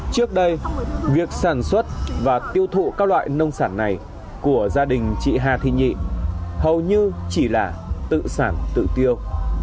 trước đây việc sản xuất và tiêu thụ các loại nông sản này của gia đình chị hà thị nhị hầu như chỉ là tự sản tự tiêu